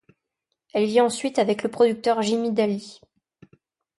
Elle vit ensuite avec le producteur Jimmy Daly.